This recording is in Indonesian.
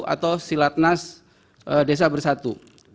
atau silatnas desa bersatu